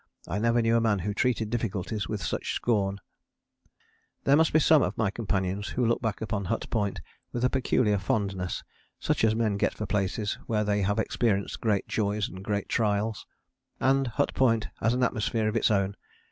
I never knew a man who treated difficulties with such scorn. There must be some of my companions who look back upon Hut Point with a peculiar fondness, such as men get for places where they have experienced great joys and great trials. And Hut Point has an atmosphere of its own.